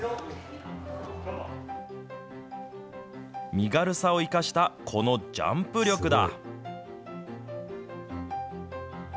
身軽さを生かしたこのジャンプ力だ。